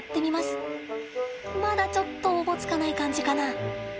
まだちょっとおぼつかない感じかな。